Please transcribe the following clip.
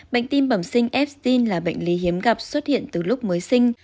bệnh tim bẩm sinh fin là bệnh lý hiếm gặp xuất hiện từ lúc mới sinh